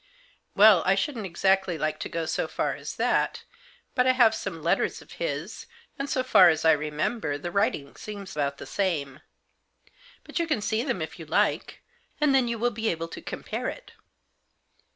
" Well, I shouldn't exactly like to go so far as that, but I have some letters of his, and, so far as I re member, the writing seems about the same. But you can see them if you like; then you will be able to compare it."